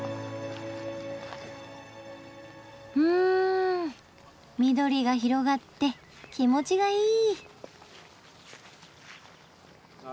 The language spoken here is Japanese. うん緑が広がって気持ちがいい。